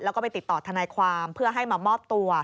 แล้วก็ไปติดต่อทนายความเพื่อให้มามอบตัว